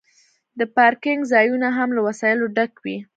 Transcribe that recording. د پارکینګ ځایونه هم له وسایلو ډک وي